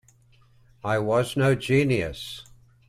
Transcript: I was no genius.